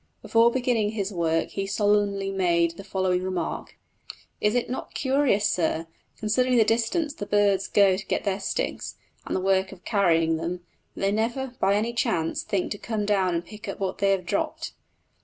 Before beginning his work he solemnly made the following remark: "Is it not curious, sir, considering the distance the birds go to get their sticks, and the work of carrying them, that they never, by any chance, think to come down and pick up what they have dropped!"